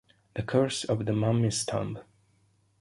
The Curse of the Mummy's Tomb